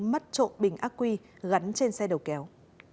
mất trộm bình ác quy gắn trên xe đầu kéo